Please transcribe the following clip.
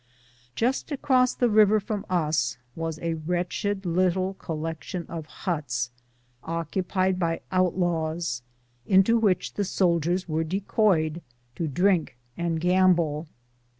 Just across the river from us was a wretched little collection of huts, occupied by outlaws, into which the soldiers were decoyed to drink and gamble.